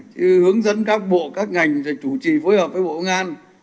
chứ hướng dẫn các bộ các ngành chủ trì phối hợp với bộ công an